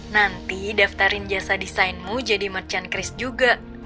nanti daftarin jasa desainmu jadi merchant crist juga